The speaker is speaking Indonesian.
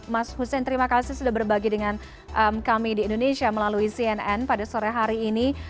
mas hussein terima kasih sudah berbagi dengan kami di indonesia melalui cnn pada sore hari ini